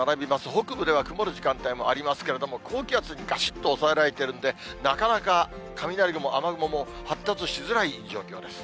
北部では曇る時間帯もありますけれども、高気圧にがしっとおさえられてるんで、なかなか雷雲、雨雲も発達しづらい状況です。